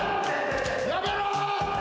やめろ！